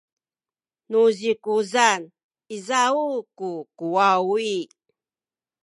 nu zikuzan izaw ku kuwawi